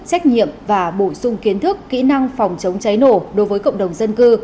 trách nhiệm và bổ sung kiến thức kỹ năng phòng chống cháy nổ đối với cộng đồng dân cư